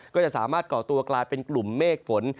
ก็จะสามารถก่อตัวกลายเป็นกลุ่มเมฆฝน